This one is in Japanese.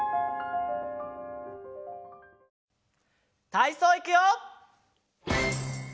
たいそういくよ！